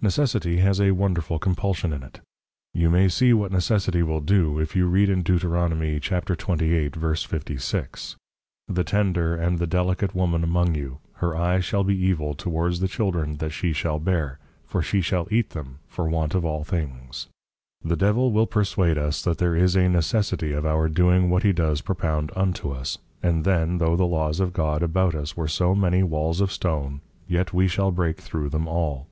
_ Necessity has a wonderful compulsion in it. You may see what Necessity will do, if you read in Deut. 28.56. _the tender and the delicate Woman among you, her eye shall be evil towards the Children that she shall bear, for she shall eat them for want of all things._ The Devil will perswade us that there is a Necessity of our doing what he does propound unto us; and then tho' the Laws of God about us were so many Walls of Stone, yet we shall break through them all.